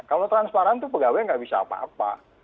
kalau transparan itu pegawai nggak bisa apa apa